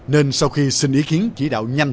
nên sau khi xin ý kiến chỉ đạo nhanh